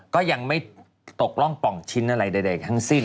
ก็ยังไม่ตกร่องป่องชิ้นอะไรใดทั้งสิ้น